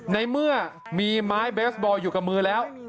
ในเมื่อมีไม้เบสบอลอยู่กับมือแล้ว